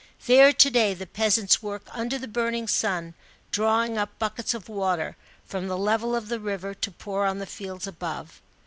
There to day the peasants work under the burning sun, drawing up buckets of water, from the level of the river, to pour on the fields above.